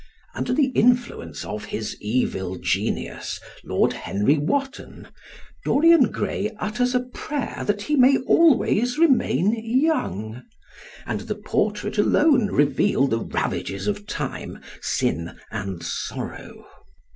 Under the influence of his evil genius, Lord Henry Wotton, Dorian Gray utters a prayer that he may always remain young, and the portrait alone reveal the ravages of time, sin and sorrow.